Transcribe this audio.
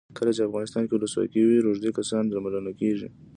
کله چې افغانستان کې ولسواکي وي روږدي کسان درملنه کیږي.